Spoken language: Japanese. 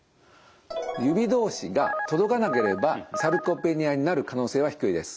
指同士が届かなければサルコペニアになる可能性は低いです。